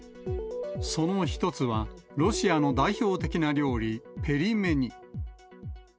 その一つは、ロシアの代表的な料理、ペリメニ。